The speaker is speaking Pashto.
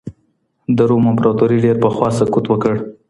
د روم امپراطوري ډېر پخوا سقوط وکړ.